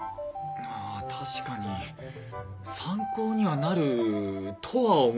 ああ確かに参考にはなるとは思いますが。